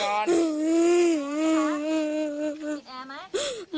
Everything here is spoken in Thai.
เมฆคิดไงจิ๊บแอร์ไหม